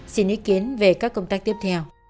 xin ý kiến về các công tác tiếp theo